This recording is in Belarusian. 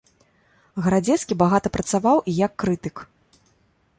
Гарадзецкі багата працаваў і як крытык.